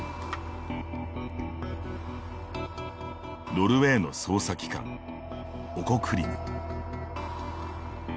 ノルウェーの捜査機関オコクリム。